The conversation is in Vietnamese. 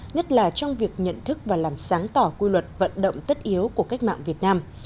nhất là trong việc nhận thức và làm sáng tỏ quy luật vận động tất yếu của cách mạng việt nam